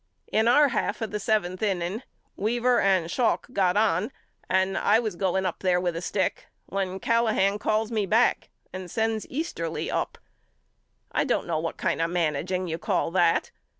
In our half of the seventh inning Weaver and Schalk got on and I was going up there with a stick when Callahan calls me back and sends East erly up. I don't know what kind of managing you call that.